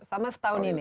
selama setahun ini